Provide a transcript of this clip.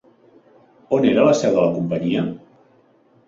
On era la seu de la companyia?